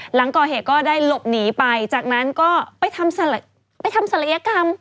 หลังก่อเหตุก็ได้หลบหนีไปจากนั้นก็ไปทำศัลยกรรม